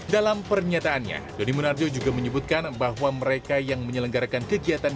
dalam pernyataannya doni munarjo juga menyebutkan bahwa mereka yang menyelenggarakan kegiatan